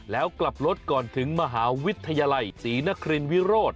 แล้วกลับรถก่อนถึงมหาวิทยาลัยศรีนครินวิโรธ